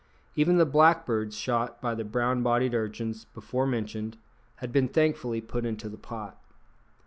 Even the blackbirds shot by the brown bodied urchins before mentioned had been thankfully put into the pot.